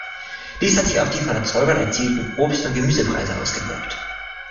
Dies hat sich auf die von den Erzeugern erzielten Obst- und Gemüsepreise ausgewirkt.